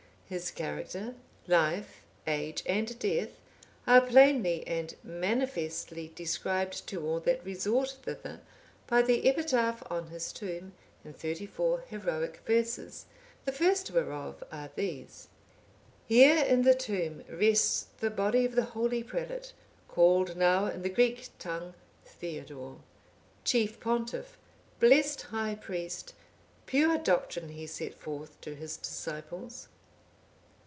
His character, life, age, and death, are plainly and manifestly described to all that resort thither, by the epitaph on his tomb, in thirty four heroic verses.(805) The first whereof are these: "Here in the tomb rests the body of the holy prelate, called now in the Greek tongue Theodore. Chief pontiff, blest high priest, pure doctrine he set forth to his disciples."